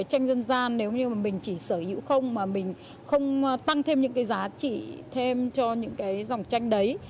tranh dân gian nếu như mình chỉ sở hữu không mà mình không tăng thêm những giá trị thêm cho những dòng tranh đấy